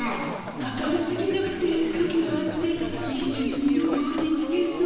明るすぎなくてかげがあっていっしょにいると落ち着けそう。